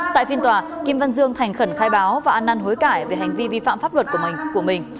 tại phiên tòa kim văn dương thành khẩn khai báo và an năn hối cãi về hành vi vi phạm pháp luật của mình